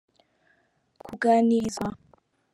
kuganirizwa.